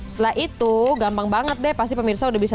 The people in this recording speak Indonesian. setelah itu gampang banget deh pasti pemirsa udah bisa